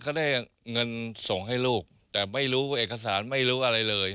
เขาได้เงินส่งให้ลูกแต่ไม่รู้เอกสารไม่รู้อะไรเลย